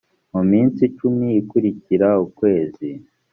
mu minsi icumi ikurikira ukwezi